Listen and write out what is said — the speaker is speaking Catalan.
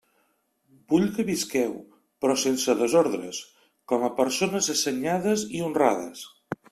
Vull que visqueu, però sense desordres, com a persones assenyades i honrades.